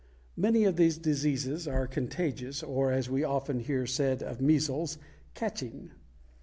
Many of these diseases are contagious, or, as we often hear said of measles, "catching."